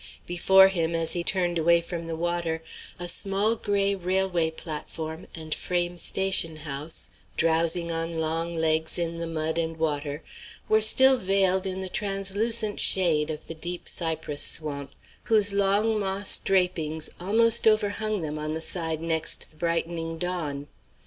Before him, as he turned away from the water, a small gray railway platform and frame station house, drowsing on long legs in the mud and water, were still veiled in the translucent shade of the deep cypress swamp, whose long moss drapings almost overhung them on the side next the brightening dawn.